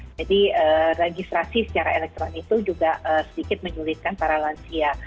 registrasi secara elektronik itu juga sedikit menyulitkan para lansia